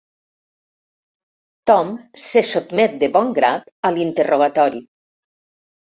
Tom se sotmet de bon grat a l'interrogatori.